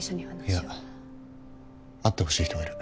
いや会ってほしい人がいる。